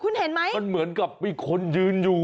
คุณเห็นไหมมันเหมือนกับมีคนยืนอยู่